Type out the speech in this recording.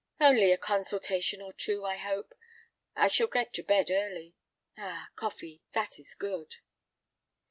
"Only a consultation or two, I hope. I shall get to bed early. Ah, coffee, that is good!"